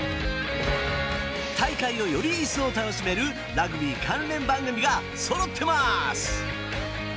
大会をより一層楽しめるラグビー関連番組がそろってます！